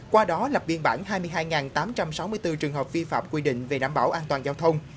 qua đó lập biên bản hai mươi hai tám trăm sáu mươi bốn trường hợp vi phạm quy định về đảm bảo an toàn giao thông